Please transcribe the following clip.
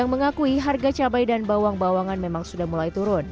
mengakui harga cabai dan bawang bawangan memang sudah mulai turun